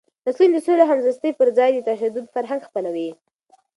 نسلونه د سولې او همزیستۍ پر ځای د تشدد فرهنګ خپلوي.